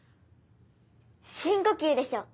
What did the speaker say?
深呼吸でしょ？